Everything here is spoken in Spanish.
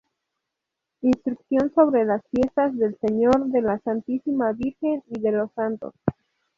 Instrucción sobre las fiestas del Señor, de la Santísima Virgen y de los Santos.